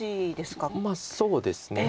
まあそうですね。